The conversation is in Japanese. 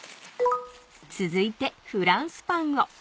［続いてフランスパンを］